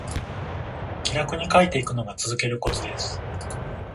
気楽に書いていくのが続けるコツです